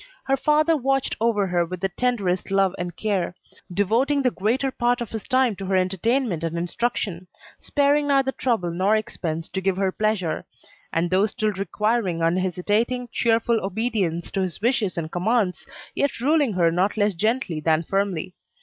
Her father watched over her with the tenderest love and care; devoting the greater part of his time to her entertainment and instruction, sparing neither trouble nor expense to give her pleasure, and though still requiring unhesitating, cheerful obedience to his wishes and commands yet ruling her not less gently than firmly.